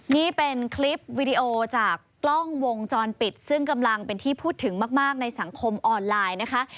นี่เป็นคลิปวีดีโอจากกล้องวงจรปิดซึ่งกำลังเป็นที่พูดถึงมากในสังคมออนไลน์นะคะ